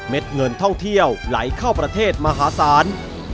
เงินท่องเที่ยวไหลเข้าประเทศมหาศาล